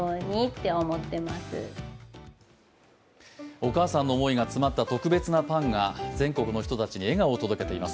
お母さんの思いが詰まった特別なパンが、全国の人たちに笑顔を届けています。